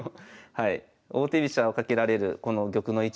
王手飛車をかけられるこの玉の位置もね